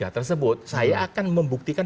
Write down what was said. tersebut saya akan membuktikan